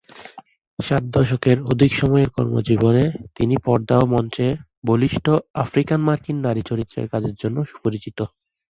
সাত দশকের অধিক সময়ের কর্মজীবনে তিনি পর্দা ও মঞ্চে বলিষ্ঠ আফ্রিকান-মার্কিন নারী চরিত্রে কাজের জন্য সুপরিচিত।